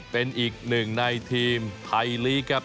เป็นอีกหนึ่งในทีมไทยลีกครับ